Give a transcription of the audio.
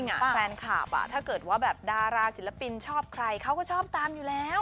แฟนคลับถ้าเกิดว่าแบบดาราศิลปินชอบใครเขาก็ชอบตามอยู่แล้ว